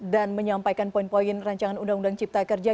dan menyampaikan poin poin rancangan undang undang cipta kerja